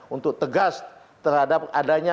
untuk tegas terhadap adanya